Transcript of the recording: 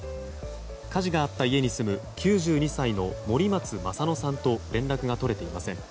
火事があった家に住む９２歳の森松マサノさんと連絡がとれていません。